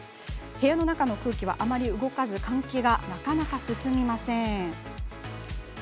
部屋の中の空気はあまり動かず換気がなかなか進みません。